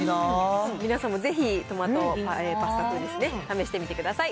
皆さんもぜひ、トマトパスタ風ですね、試してみてください。